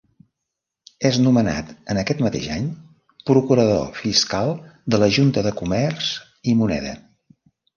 És nomenat en aquest mateix any procurador fiscal de la Junta de Comerç i Moneda.